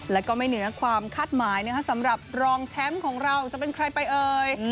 แล้วก็ไม่เหนือความคาดหมายสำหรับรองแชมป์ของเราจะเป็นใครไปเอ่ย